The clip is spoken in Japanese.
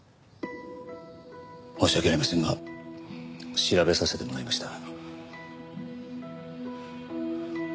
申し訳ありませんが調べさせてもらいました。